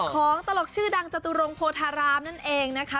ตลกชื่อดังจตุรงโพธารามนั่นเองนะคะ